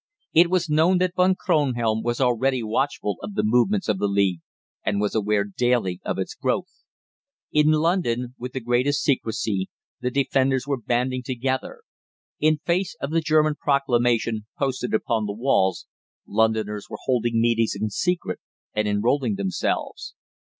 It was known that Von Kronhelm was already watchful of the movements of the League, and was aware daily of its growth. In London, with the greatest secrecy, the defenders were banding together. In face of the German proclamation posted upon the walls, Londoners were holding meetings in secret and enrolling themselves.